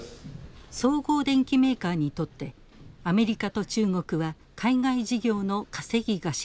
総合電機メーカーにとってアメリカと中国は海外事業の稼ぎ頭。